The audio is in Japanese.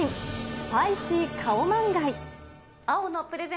スパイシーカオマンガイ。